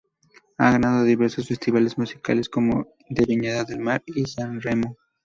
Ha ganado diversos festivales musicales como el de Viña del Mar y Sanremo.